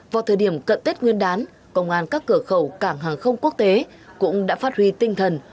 vào thời điểm cận tết nguyên đán công an các cửa khẩu cảng hàng không quốc tế cũng đã phát huy tinh thần